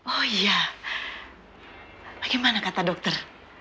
oh iya bagaimana kata dokter